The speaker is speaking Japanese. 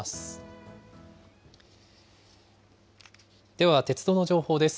では、鉄道の情報です。